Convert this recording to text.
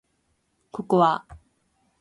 ココア